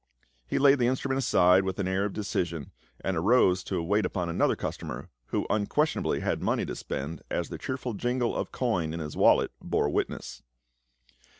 He laid the instru ment aside with an air of decision, and arose to wait upon another customer, who unquestionably had money to spend, as the cheerful jingle of coin in his wallet bore witness.